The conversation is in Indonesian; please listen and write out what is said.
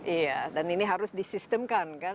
iya dan ini harus disistemkan kan